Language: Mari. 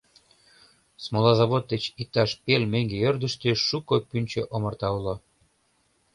Смола завод деч иктаж пел меҥге ӧрдыжтӧ шуко пӱнчӧ омарта уло.